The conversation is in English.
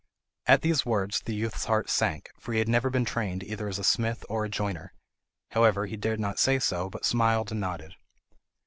At these words the youth's heart sank, for he had never been trained either as a smith or a joiner. However, he dared not say no, but smiled and nodded.